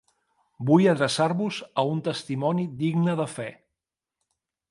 Vull adreçar-vos a un testimoni digne de fe.